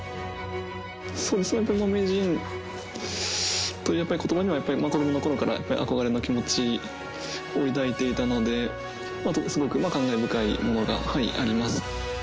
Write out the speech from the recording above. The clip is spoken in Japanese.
やっぱりもう名人ということばには、やっぱり子どものころから憧れの気持ちを抱いていたので、すごく感慨深いものがあります。